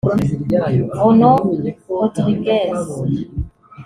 Bruno Rodriguez